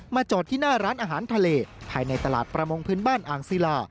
จอดที่หน้าร้านอาหารทะเลภายในตลาดประมงพื้นบ้านอ่างศิลา